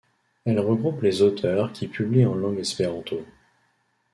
Elle regroupe les auteurs qui publient en langue espéranto.